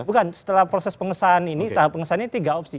bukan setelah proses pengesahan ini tahap pengesahannya tiga opsi